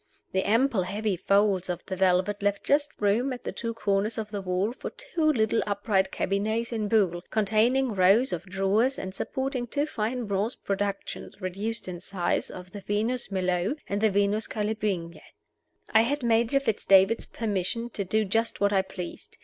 The ample heavy folds of the velvet left just room at the two corners of the wall for two little upright cabinets in buhl, containing rows of drawers, and supporting two fine bronze productions (reduced in size) of the Venus Milo and the Venus Callipyge. I had Major Fitz David's permission to do just what I pleased.